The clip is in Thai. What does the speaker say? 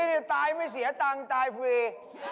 นี่ตายไม่เสียตังค์ตายฟรี